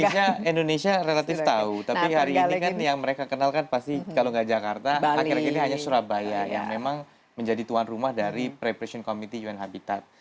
artinya indonesia relatif tahu tapi hari ini kan yang mereka kenalkan pasti kalau nggak jakarta akhir akhir ini hanya surabaya yang memang menjadi tuan rumah dari preparation committee un habitat